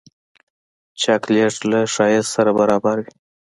چاکلېټ له ښایست سره برابر وي.